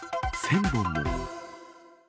１０００本も。